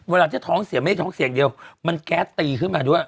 เวลาที่ท้องเสียไม่ได้ท้องเสียงเดียวมันแก๊สตีขึ้นมาด้วย